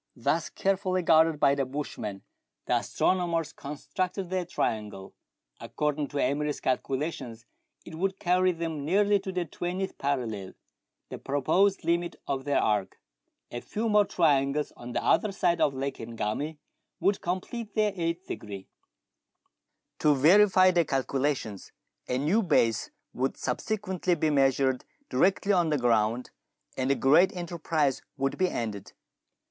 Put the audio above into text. Thus carefully guarded by the bushman, the astronomers constructed their triangle. According to Emery's calcula tions it would carry them nearly to the twentieth parallel, the proposed limit of their arc. A few more triangles on the other side of Lake Ngami would complete their eighth degree ; to verify the calculations, a new base would "The Ngami I the Ngami !"— [Page 172.] THREE ENGLISHMEN AND THREE RUSSIANS. 173 subsequently be measured directly on the ground, and the great enterprise would be ended.